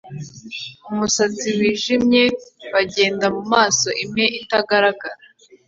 umusatsi wijimye bagenda mumaso imwe itagaragara